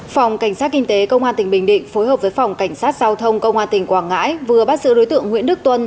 phòng cảnh sát kinh tế công an tỉnh bình định phối hợp với phòng cảnh sát giao thông công an tỉnh quảng ngãi vừa bắt giữ đối tượng nguyễn đức tuân